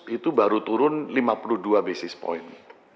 itu baru turun lima puluh dua basis point